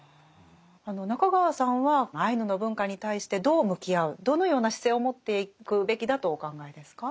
中川さんはアイヌの文化に対してどう向き合うどのような姿勢を持っていくべきだとお考えですか？